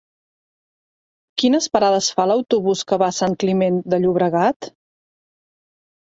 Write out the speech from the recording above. Quines parades fa l'autobús que va a Sant Climent de Llobregat?